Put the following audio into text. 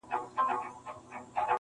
• څارنوال سو په ژړا ویل بابا جانه..